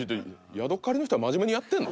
ヤドカリの人は真面目にやってんの？